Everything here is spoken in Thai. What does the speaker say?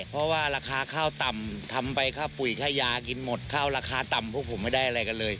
เพราะว่าราคาข้าวต่ำทำไปค่าปุ๋ยค่ายากินหมดข้าวราคาต่ำพวกผมไม่ได้อะไรกันเลย